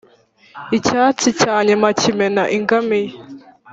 icyatsi cya nyuma kimena ingamiya.